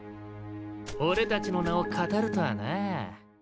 俺たちの名をかたるとはなぁ。